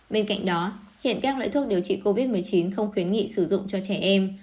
bên cạnh đó hiện các loại thuốc điều trị covid một mươi chín không khuyến nghị sử dụng cho trẻ em